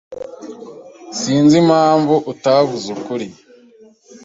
Sinzi impamvu utavuze ukuri.